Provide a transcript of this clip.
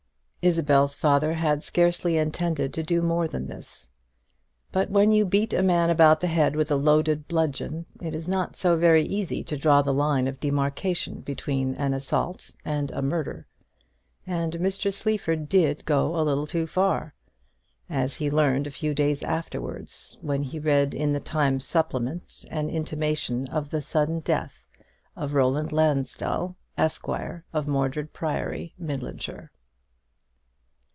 Isabel's father had scarcely intended to do more than this. But when you beat a man about the head with a loaded bludgeon, it is not so very easy to draw the line of demarcation between an assault and a murder; and Mr. Sleaford did go a little too far: as he learned a few days afterwards, when he read in the "Times" supplement an intimation of the sudden death of Roland Lansdell, Esq., of Mordred Priory, Midlandshire.